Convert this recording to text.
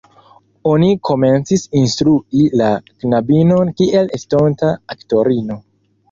Oni komencis instrui la knabinon kiel estonta aktorino.